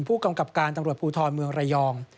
ผู้กำกับการตำรวจภูทรเมืองระยอง